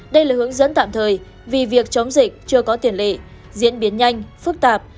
đây là hướng dẫn tạm thời vì việc chống dịch chưa có tiền lệ diễn biến nhanh phức tạp